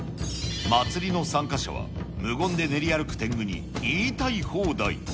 祭りの参加者は、無言で練り歩く天狗に言いたい放題。